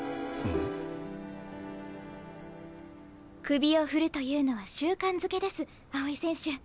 首を振るというのは習慣づけです青井選手。